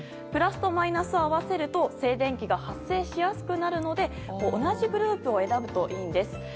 プラスとマイナスを合わせると静電気が発生しやすくなるので同じグループを選ぶといいんです。